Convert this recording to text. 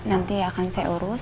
nanti akan saya urus